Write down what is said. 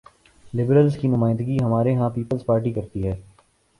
Liberals کی نمائندگی ہمارے ہاں پیپلز پارٹی کرتی ہے۔